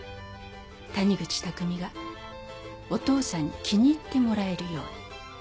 谷口巧がお父さんに気に入ってもらえるように。